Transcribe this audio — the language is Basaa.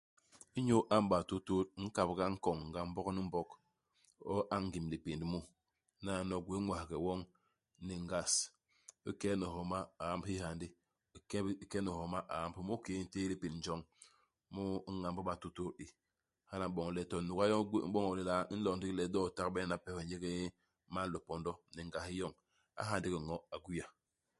Inyu iamb batutu, u nkap nga nkoñ nga mbok ni mbok, u añ ngim lipénd mu. Naano u gwéé ñwaghe woñ ni ngas. U ke'e nu homa, u amb hi hyandi u ke bi u ke nu homa u amb. Mu kiki u ntéé lipénd joñ, mu i ñamb u matutu i. Hala a m'boñ le to nuga yo i gwé i m'boñok lelaa i nlo ndigi le i lo'o i tagbe hana kiki we u n'yék nn man lipondo, ni ngayi yoñ. A ha ndigi ño, a gwia.